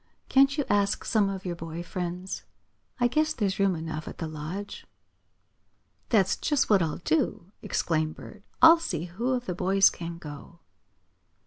Can't you ask some of your boy friends? I guess there's room enough at the Lodge." "That's just what I'll do!" exclaimed Bert "I'll see who of the boys can go."